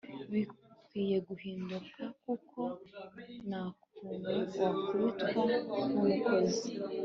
Bikwiye guhinduka kuko nakunu wakubitwa numukozi